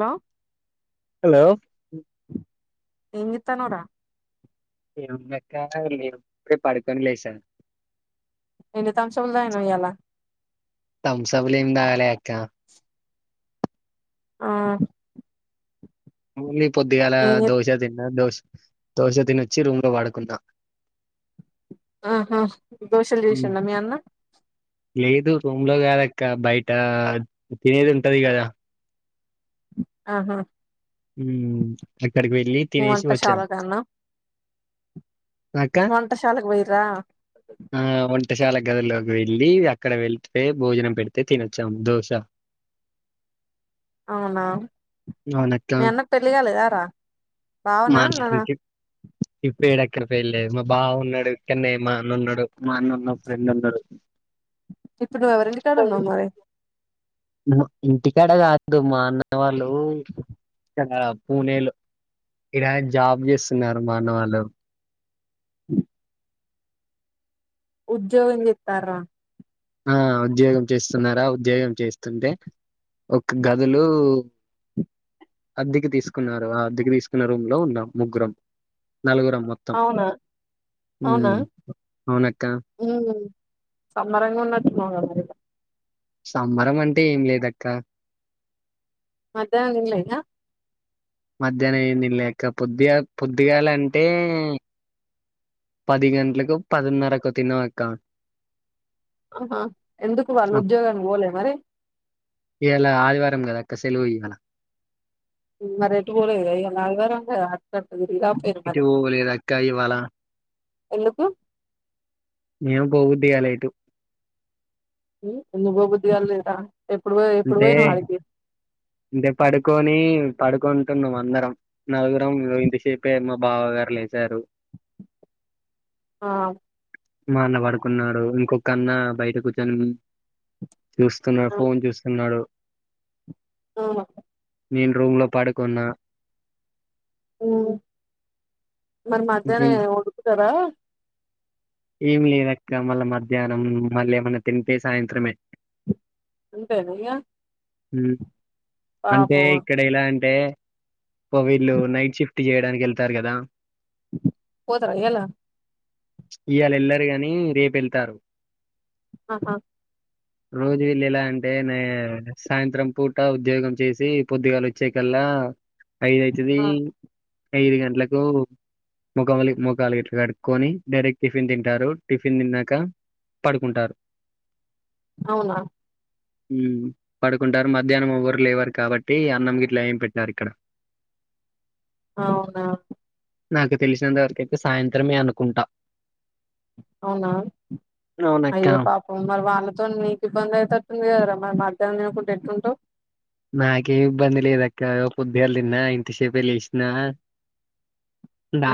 Hello hello ఎంజేత్తన్నావ్ రా? ఏముందక్క ఏంలేదు ఇప్పుడే పడుకొని లేసా. ఎన్ని తమ్సప్లు తగినవ్ ఇయ్యాల తమ్సప్లు ఎం తాగలే అక్క ఆ ఓన్లీ పొద్దుగాల ఏం చే దోశ తిన్నా దోశ దోశ తినొచ్చి రూమ్ లో పడుకున్నా ఆహా దోశలు ఉమ్, చేసిండ మీ అన్న లేదు రూమ్ లో కాదు అక్క బయట తినేది ఉంటది గదా ఆహా ఉమ్ అక్కడికి వెళ్ళి నువ్వు తినేసి వచ్చాం. వంటశాల కాన్నా అక్క వంట శాలకి పోయింరా ఆ వంటశాల గదిలోకి వెళ్ళి అక్కడ వెళ్తే భోజనం పెడితే తినొచ్చాము దోశ అవునా అవునక్క మీ అన్నకు పెళ్లి కాలేద రా మా బావనా అన్నకి నానా ఇంకేం ఇప్పుడు [unintelligible] మా బావ ఉన్నడు ఇక్కడనే మా అన్న ఉన్నడు మా అన్న ఉన్న ఫ్రెండ్ ఉన్నడు ఇప్పుడు నువ్వు ఎవరింటి కాడ ఉన్నావు మరి ఇంటికాడ కాదు మా అన్న వాళ్ళు ఇక్కడ పూనెలో ఇడ జాబ్ జేస్తున్నారు మా అన్న వాళ్ళు ఉద్యోగం జేత్తర ఆ ఉద్యోగం చేస్తున్నారా ఉద్యోగం చేస్తుంటే ఒక గదులు అద్దికి తీసుకున్నారు ఆ అద్దికి తీసుకున్న రూమ్ లో ఉన్నాం ముగ్గురం నలుగురం మొ త్తం అవునా అవునా ఉమ్ అవునక్క ఉమ్ సంమ్మరంగ ఉన్నట్టునవు గదా ఇగ సంబరం అంటే ఏం లేదక్క మధ్యానం తినలే ఇంగ మధ్యానం ఏం తినలే అక్క పొద్దిగా పొద్దిగాలంటే పది గంటలకో పదిన్నరకు తిన్నం అక్క ఆహా ఎందుకు వాళ్ళు ఉద్యోగానికి పోలే మరి ఇయాల ఆదివారం కదా అక్క సెలువు ఇవాళ మరేటు పోలేదు గద ఇయాల ఆదివారం అట్టట తిరిగిరాపోయిరు ఎటు పోలేదు అక్క ఇవాళ ఎందుకు ఏమో పోబుద్దిగాలే ఎటు ఎందుకుపోబుద్ది కాలేదు రా ఎప్పుడు పో ఎప్పుడు అంటే పోయినవు ఆడికి అంటే పడుకోని పడుకుంటున్నాం అందరం నలుగురం ఇంతసేపే మా బావ గారు లేచరు ఆ [unintelligible] పడుకున్నాడు ఇంకొకన్న బయట కూర్చొని చూస్తున్న ఆ ఫోన్ చూస్తున్నాడు ఆ నేను రూమ్లో పడుకున్నా ఉమ్ మరి మధ్యానం ఇంకేం- వండుకుంటరా ఏమి లేదక్క మళ్ళ మధ్యానం మళ్ళీ ఏమన్నా తింటే సాయింత్రమే అంతేన ఇగ ఉమ్ అంటే పాపం ఇ ఎలా అంటే ఒక వీళ్ళు నైట్ షిఫ్ట్ చేయడానికి వెళ్తారు కదా పోతరా ఇయాల ఇయాళ ఎళ్లరు గాని రేపు ఎళ్తారు ఆహా రోజు వీళ్ళు ఎలా అంటే నే సాయంత్రం పూట ఉద్యోగం చేసి పొద్దుగాల చ్చే కల్ల ఐదు ఐతది ఆ ఐదు గంటలకు [unintelligible] ముఖాలు గట్లా కడుక్కోని డైరె టిఫిన్ తింటారు టిఫిన్ తిన్నాక పడుకుంటారు అవునా ఉ పడుకుంటారు మధ్యాహ్నం ఎవ్వరు లేవరు కాబట్టి అన్నం గిట్ల ఏం పెట్టారు ఇక్కడ అవునా నాకు తెలిసినంతవరకైతే సాయంత్రమే అనుకుంటా అవునా అవునక్క అయ్యో పాపం మరి వాళ్ళతో నీకు ఇబ్బంది అయితటుంది కదరా మరి మధ్యాహ్నం తినకుంట ఎట్ల ఉంటవ్ నాకేమి ఇబ్బంది లేదు అక్క పొద్దుగాల తిన్నా ఇంతసేపే లేసినా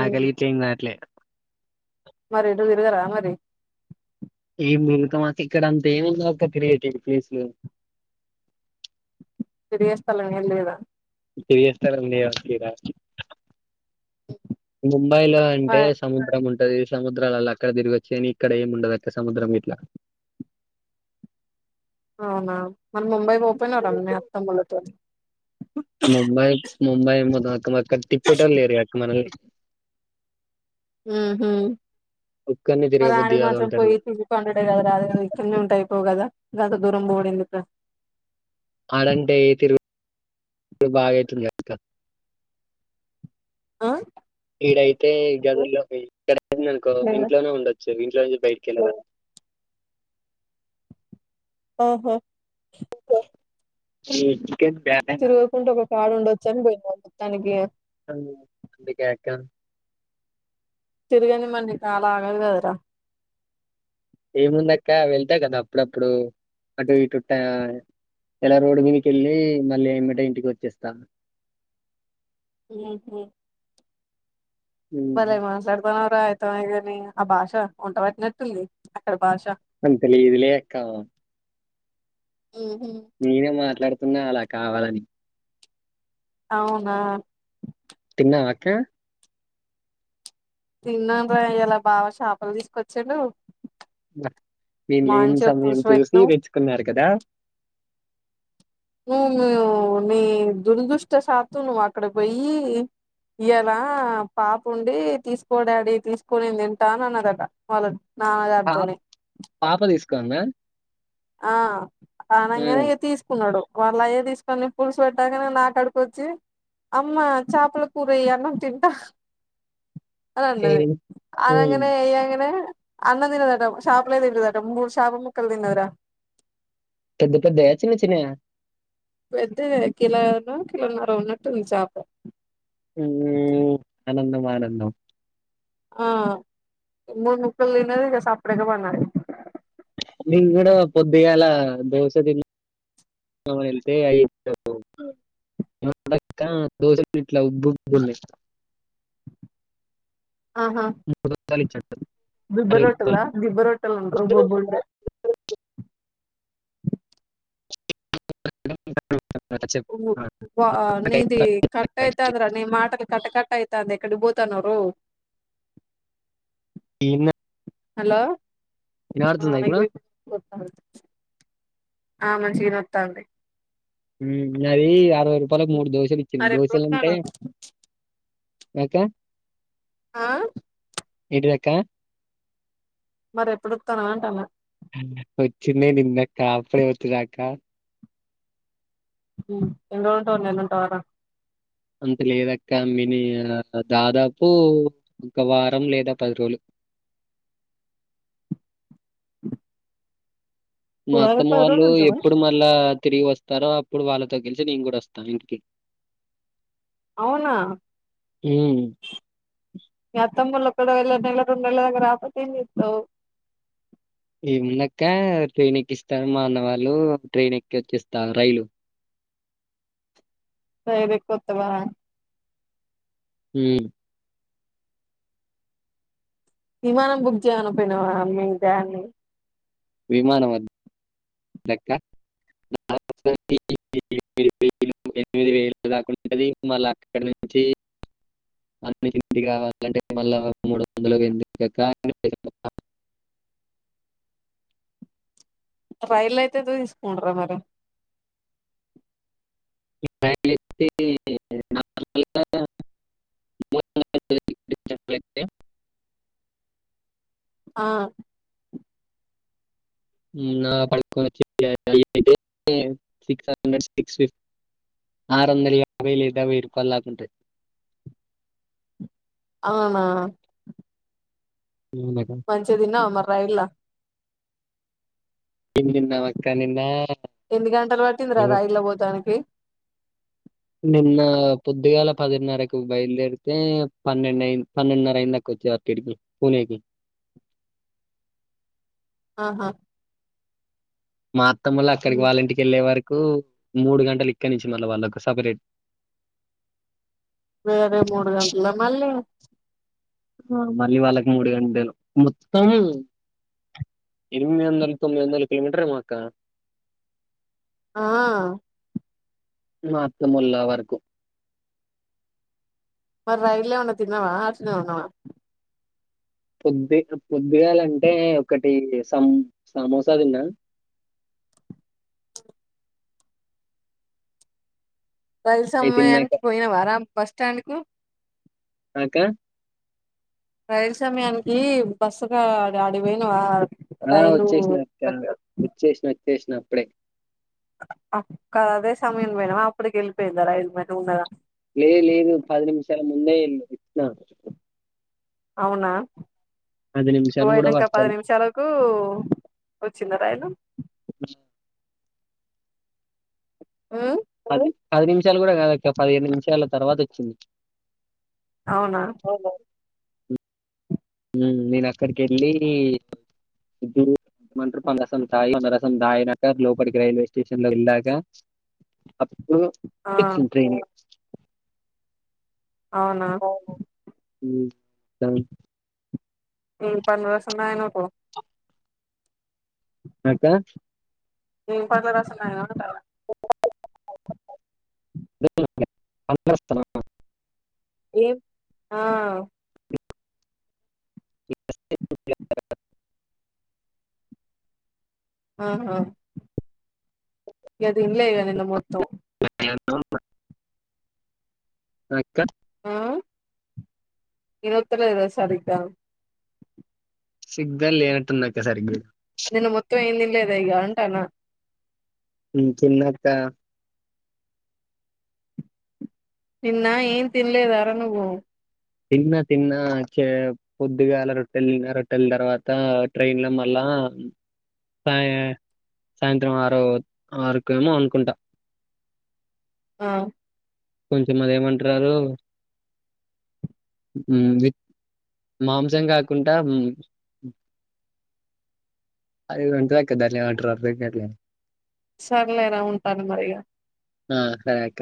ఉమ్ గిట్ల ఏం కాట్లే మరి ఎటు తిరుగరా మరి ఏం తిరుగుతమక్క ఇక్కడ అంత ఏముంది అక్క క్రియేటివ్ ప్లేస్లు తిరిగే స్థలం ఏం లేదా తిరిగె స్థలం వుంది కదా ఈడ ముంబైలో మరి అంటేస్ సముద్రం ఉంటది సముద్రాలల్ల అక్కడ తిరిగిచ్చు గని ఇక్కడ ఏముండదు అక్క సముద్రం గిట్లా అవునా మరి ముంబై పొ పోయినవు రా మరి మీ అత్తమ్మల తోని ముంబై ముంబై ఏం పోతాం అక్క తిప్పెటోళ్లు లేరు కదా అక్క మనల్ని ఉహు ఒక్కరిని మరి తిరగబుద్ది ఆడికి కాదు మాత్రం పోయి ఒంటరిగా తి వండుడే కదరా అది ఏదో ఇక్కనే ఉంట అయిపోవు గదా గంత దూరం పోవుడు ఎందుకు రా ఆడంటే తిరుగు బాగ అయితుంది గా ఆ ఈడైతే గదుల్లో పొయ్యి ఇక్కడైంది అనుకో లేదా ఇంట్లోనే ఉండొచ్చు ఇంట్లో నుంచి బయటికెళ్ళరాదు ఓహో ఉ చికెన్ బ్యా తిరుగుకుంటూ ఒక కాడు ఉండొచ్చని బొయినవ మొత్తానికి అవును అందుకే అక తిరిగన్ మరి నీ కాలాగదు గదరా ఏముందక్క వెళ్తా కదా అప్పుడప్పుడు అటు ఇటు టా ఆలా రోడు మీదికెళ్ళి మళ్ళ ఎమ్మటే ఇంటికి ఒచ్చేస్తాన్ ఉహు ఉమ్, భలే మాట్లాడ్తన్నావ్రా ఐతేమాయే గాని ఆ భాష వంట వట్టినట్టుంది అక్కడి భాష అంతలేదులే అక్క ఉహు నేనే మాట్లాడుతున్నా అలా కావాలని అవునా తిన్నవక్క తిన్నాన్రా ఇయాల బావా షాపలు తీస్కొచ్చిండు నేను లేని సమయం చూసి పెట్టినావ్ దెచ్చుకున్నారు కదా నువ్ నువ్ నీ దురదృష్ట శాత్తు నువు అక్కడ పోయి ఇయలా పాపుండి తీస్కో డాడీ తీస్కో నేన్దింటా అని అన్నదటా వాళన్ పాప నాన్నగారితోనీ పాప దీస్కందా ఆ ఆనంగనే ఉమ్, ఇగ తీస్కున్నాడు వాళ్ళ అయ్యే దీస్కొని పులుసు వెట్టాంగనే నాకడికొచ్చి అమ్మా చాపల కూరెయ్ అన్నం తింటా అని అన్నది ఏ- ఉమ్, అనంగానే ఎయ్యంగానే అన్నం దినదటా షాపలే దింటదట మూడు షాప ముక్కలు తిన్నద్రా పెద్ద పెద్దయా చిన్న చిన్నయా పెద్దయే కిలోనో కిలోన్నర ఉన్నట్టు ఉంది చాప ఊ అనందం ఆనందం ఆ ముక్కల్ తిన్నది సప్పుడేయింకా పన్నది మేం గూడా పొద్దిగల్లా దోశ తిన్ వెళ్తే అయి [unintelligible] దోశల్ ఇట్లా ఉబ్బుబ్బున్నాయ్ ఆహా రూపాయలు ఇచ్చాడు దిబ్బ అరవై రూపాయలు రొట్టెలా దిబ్బ రొట్టెల్ ఉబ్బుబ్బుంటయ్ ఆ, చెప్పు వా నీది కట్ అయితాంది రా నీ మాటలు కట్ కట్ అయితాంది ఎక్కడ్కిబోతన్నావురో ఇన్నే హలో వినబడుతుందా ఇప్పుడు ఆ మంచిగనే ఒత్తాంది ఉమ్ అది అరవై రూపాలకు మూడు దోశలు ఇచ్చిండు మరి దోశలంటే ఎప్పుడొత్తన్నావ్ అక్కా ఆ ఏంటిదక్కా మరెప్పుడిత్తాన్నవంటాన్న వచ్చిందే నిందాక్కా అప్పుడే వచ్చిదాకా ఉమ్ ఎన్ రోజులు ఉంటవ్ నెల ఉంటావరా అంత లేదక్క మిని దాదాపు ఒక వారం లేదా పది రోజులు మా ఉగాది అత్తమ పది వాళ్ళు రోజులుంటావా ఎప్పుడు మళ్ళా తిరిగి వస్తారో అప్పుడు వాళ్ళతో కెలిసి నేను గూడా ఒస్తా ఇంటికి అవునా హ్మ్. మీ అత్తమ్మోలు ఒకవేల నెలదాక రాకుంటే ఎంజేతావ్ ఏముందక్క ట్రైన్ ఎక్కిస్తాన్ మా అన్నవాళ్ళు ట్రైన్ ఎక్కి ఒచ్చేస్త రైలు ట్రైన్ ఎక్కి వత్త వ హూ విమానం బుక్ చేయాన పోయినావా మీ డాన్ని విమానమా వద్దక్క [inaudible] రెండు వేల ఐదు వందల దాకా ఉంటది మళ్ళ అక్కడ్నుంచి అన్ని [inaudible] మళ్ళ మూడు వందలు ఎన్ని [inaudible] రైలైతే ఎంతతీస్కోంటార్రా మరి రైలుకి ఆహ్ ఉహ్ ఆ పడుకని వచ్చె [inaudible] సిక్స్ హండ్రెడ్ సిక్స్ ఫిఫ్టి ఆరు వందల యాబై లేదా వేయి రూపాయలు దాకా ఉంటది అవ్నా అవునక్క మంచిగా తిన్నావా మరి రైలా ఎందిన్న అక్క నిన్న ఎన్ని గంటలు పట్టిందిరా ఎవ- రైల పోతానికి నిన్నా పొద్దిగాల పదిన్నరకు బయల్దేరితే పన్నెండు అయింది పన్నెండున్నరైందక్క కోజ్జార్కెట్కి పుణేకి ఆహా మా అత్తమ లాళ్ళక్కడికి వాళ్ళ ఇంటికి వెళ్ళే వరకు మూడు గంటలిక్కడ్నుంచి మళ్ళీ వాళ్ళకు సపరేట్ వేరే మూడు గంటల మళ్ళీ మళ్ళీ వాళ్ళకి మూడు గంటలు. మొత్తం ఎనిమిది వందలు, తొమ్మిది వందలు కిలోమీటర్లులేమో అక్కా ఆ మా అత్తమ్మ వాళ్ళ వర్కు. మరి రైల్లే ఏమన్నా తిన్నావా అట్నే ఉన్నావా? పొద్దిగాలంటే ఒకటి సమోసా తిన్నా. రైల్ అయి తిన్నాక సమయానికి పోయావరా బస్టాండ్కు. అక్కా రైలు సమయానికి బస్సుగా అడికిపోయినవా? ఆ వచ్చేసిన అక్కా, వచ్చేసినా వచ్చేసినా అప్పుడే కాదు అదే సమయానికి పోయినవా అప్పడికే వెళ్ళిపోయిందా రైలు ముందుగా. లేదు లేదు పది నిమ్షాల ముందే ఇళ్ళిచ్చిన అవునా, పది నువ్వు నిమిషాలు కూడా పోయినాంక పది పట్టాలి నిముషాలుకు వచ్చిందా రైలు. ఆహ్ [unintelligible] మ్ పది నిమిషాలు కూడా కాదక్కా పదిహేను నిమిషాలు తర్వాత వచ్చింది. అవునా హలో మ్ నేనుఅక్కడకెళ్లి ఎమంటారు పండ్లరసం తాగినాక పండ్లరసం తాగినాక లోపల్కి రైల్వే స్టేషన్లో వెళ్ళాక అప్పుడు ఆ వచ్చింది ట్రైన్. అవునా ఉహ్ హా [unintelligible] ఏం పండ్ల రసం తాగినావు. ఇంకా ఎం పండ్లా రాసం తాగినావంటే [inaudible] ఏం ఆ ఆహా ఇగ తిన్లే ఇగ నిన్న మొత్తం. [unintelligible] అక్క మ్ ఇనోత్త లేదా సరిగ్గా? సిగ్నల్ లేనట్టుంది అక్కా సరిగ్గా. నిన్న మొత్తం ఏం తిన్లేదా ఇగ అంటాన్నా. ఉ తిన్నా అక్కా నిన్న ఏం తిన్లేదారా నువ్వు? తిన్నా తిన్నా అక్కయ్యా పొద్దుగాల రొట్టెలు తిన్నా. రొట్టెల తర్వాత ట్రైన్ లో మళ్ళా సాయంత్రం ఆరో ఆరు కేమో అనుకుంటా ఆ కొంచెం అది ఏం అంటున్నారు మ్ జిప్ మాంసం గాకుండా అది ఏదో ఉంటది అక్కా దాన్ని ఏమంటారో అర్థం కాట్లే సర్లే రా ఉంటాను మరి ఇగ ఆ సరే అక్క